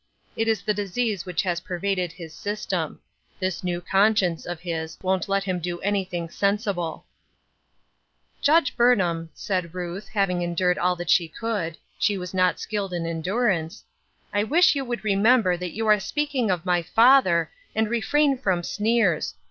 It is the disease which has pervaded his system. This new conscience of 'im won't let him do anything sensible." 884 Ruth Urskine's Crosses, " Judge Burnliam," said Ruth, haviug endured all that she could — she was not skilled in en durance — "I wish you would remember that you are speaking of my father, and refrain from sneers.